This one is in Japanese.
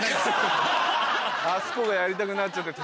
あそこがやりたくなっちゃって。